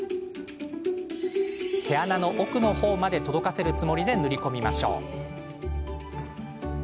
毛穴の奥の方まで届かせるつもりで塗り込みましょう。